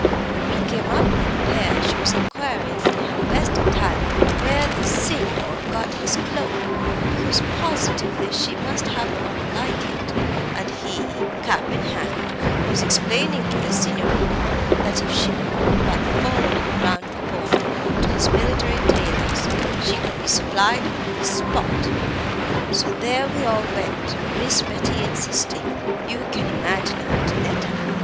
When we came up with the pair she was inquiring, in her best Italian, where the 'Signor' got his cloak, because positively she must have one like it, and he, cap in hand, was explaining to the Signorina that if she would but follow him round the corner to his military tailor's, she could be supplied on the spot. So there we all went, Miss Betty insisting. You can imagine Aunt Neta.